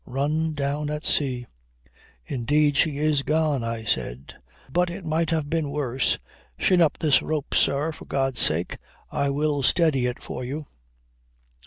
Run down at sea." "Indeed she is gone," I said. "But it might have been worse. Shin up this rope, sir, for God's sake. I will steady it for you."